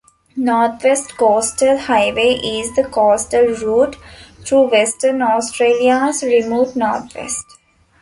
North West Coastal Highway is the coastal route through Western Australia's remote north-west.